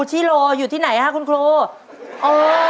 น้องเทิดชอบเรียนภาษาไทยเหรอลูก